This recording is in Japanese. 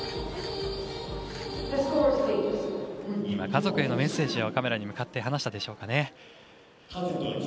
今、家族へのメッセージをカメラに向かって話したでしょうかね。